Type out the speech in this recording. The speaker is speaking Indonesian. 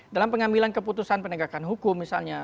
dalam pengambilan keputusan penegakan hukum misalnya